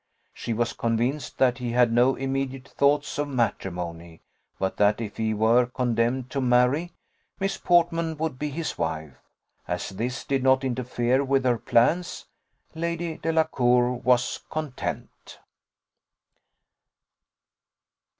She was convinced that he had no immediate thoughts of matrimony; but that if he were condemned to marry, Miss Portman would be his wife. As this did not interfere with her plans, Lady Delacour was content.